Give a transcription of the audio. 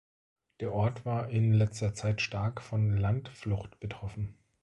Der Ort war in letzter Zeit stark von Landflucht betroffen.